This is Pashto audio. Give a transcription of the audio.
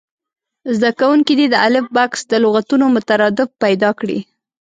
زده کوونکي دې د الف بکس د لغتونو مترادف پیدا کړي.